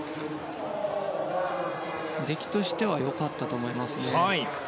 出来としては良かったと思いますね。